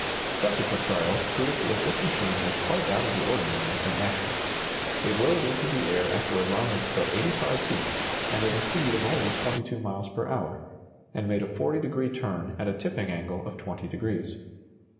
Subsequent trials proved that this machine was quite out of the ordinary in action. It rose into the air after a run of but 85 feet, and at a speed of only 22 miles per hour, and made a 40 degree turn at a tipping angle of 20 degrees.